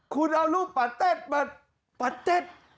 คุณเอารูปปาเต็ดมาปาเต็ด